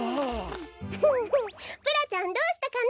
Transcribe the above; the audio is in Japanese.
フフンプラちゃんどうしたかな？